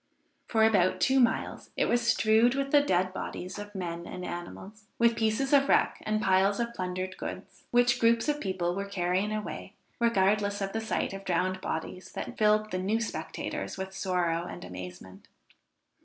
For about two miles it was strewed with the dead bodies of men and animals, with pieces of wreck and piles of plundered goods, which groups of people were carrying away, regardless of the sight of drowned bodies that filled the new spectators with sorrow and amazement.